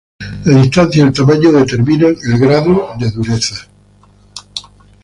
La distancia y el tamaño determinan el grado de dureza.